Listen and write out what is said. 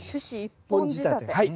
はい。